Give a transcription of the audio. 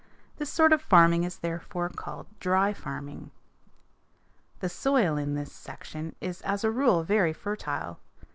This sort of farming is therefore called "dry farming." The soil in this section is as a rule very fertile.